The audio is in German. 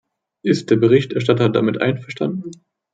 Ist der Berichterstatter damit einverstanden?